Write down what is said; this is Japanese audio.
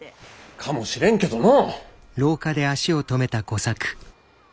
かもしれんけどの。